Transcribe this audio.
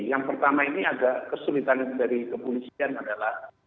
yang pertama ini agak kesulitan dari kepolisian adalah